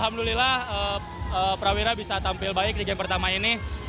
alhamdulillah prawira bisa tampil baik di game pertama ini